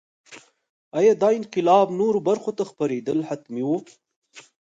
ایا دا انقلاب نورو برخو ته خپرېدل حتمي وو.